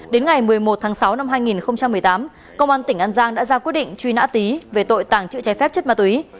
đến ngày một mươi một tháng sáu năm hai nghìn một mươi tám công an tỉnh an giang đã ra quyết định truy nã tý về tội tàng trữ trái phép chất ma túy